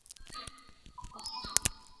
马尼厄人口变化图示